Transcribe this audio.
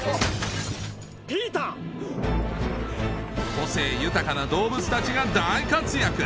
個性豊かな動物たちが大活躍